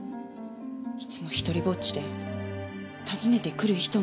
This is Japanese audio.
いつも一人ぼっちで訪ねてくる人もいない。